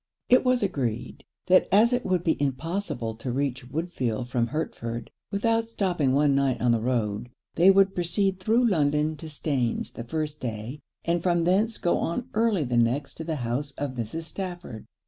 It was agreed, that as it would be impossible to reach Woodfield from Hertford, without stopping one night on the road, they would proceed thro' London to Staines the first day, and from thence go on early the next to the house of Mrs. Stafford.